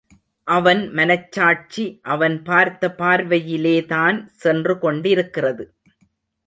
அவன் மனச்சாட்சி அவன் பார்த்த பார்வையிலேதான் சென்று கொண்டிருக்கிறது.